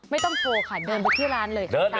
ไม่ต้องโทรค่ะเดินไปที่ร้านเลยค่ะ